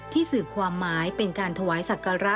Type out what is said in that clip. สื่อความหมายเป็นการถวายศักระ